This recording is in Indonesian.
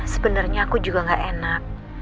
sebenarnya aku juga gak enak